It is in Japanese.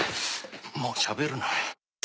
「もうしゃべるな」